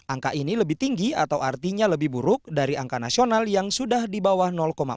angka ini lebih tinggi atau artinya lebih buruk dari angka nasional yang sudah di bawah empat puluh